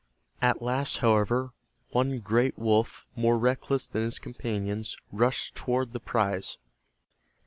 At last, however, one great wolf more reckless than its companions rushed toward the prize.